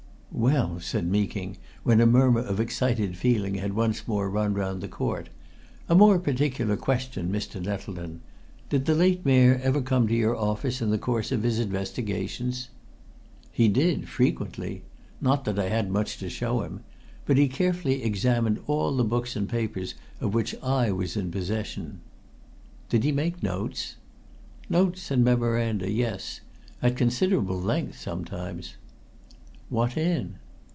"Well," said Meeking, when a murmur of excited feeling had once more run round the court, "a more particular question, Mr. Nettleton. Did the late Mayor ever come to your office in the course of his investigations?" "He did, frequently. Not that I had much to show him. But he carefully examined all the books and papers of which I was in possession." "Did he make notes?" "Notes and memoranda yes. At considerable length, sometimes." "What in?"